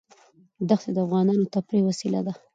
دښتې د افغانانو د تفریح وسیله ده.